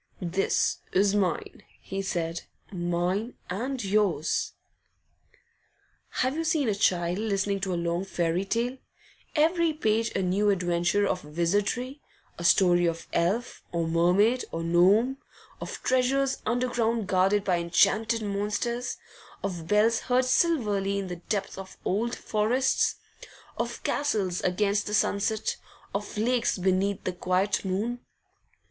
'This is mine,' he said, 'mine and yours.' Have you seen a child listening to a long fairy tale, every page a new adventure of wizardry, a story of elf, or mermaid, or gnome, of treasures underground guarded by enchanted monsters, of bells heard silverly in the depth of old forests, of castles against the sunset, of lakes beneath the quiet moon?